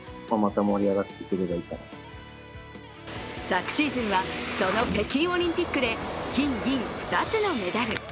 昨シーズンはその北京オリンピックで金銀２つのメダル。